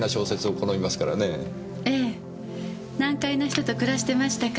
難解な人と暮らしてましたから。